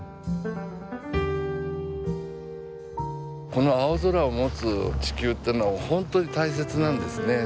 この青空を持つ地球ってのは本当に大切なんですね。